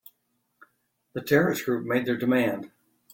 The terrorist group made their demand.